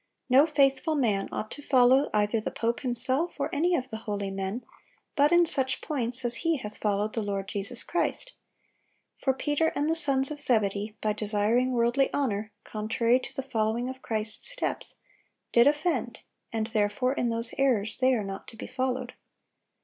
"No faithful man ought to follow either the pope himself or any of the holy men, but in such points as he hath followed the Lord Jesus Christ; for Peter and the sons of Zebedee, by desiring worldly honor, contrary to the following of Christ's steps, did offend, and therefore in those errors they are not to be followed....